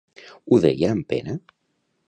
Ho deia amb pena?